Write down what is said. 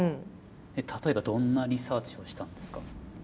例えばどんなリサーチをしたんですか？